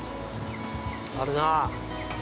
◆あるなー。